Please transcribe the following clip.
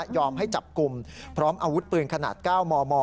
ให้จับกลุ่มพร้อมอาวุธปืนขนาด๙มม